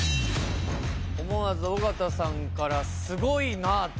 思わず尾形さんからすごいなと。